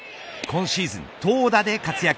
今シーズン、投打で活躍。